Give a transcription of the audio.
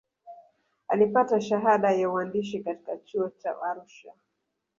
alipata shahada ya uandisi katika chuo cha arusha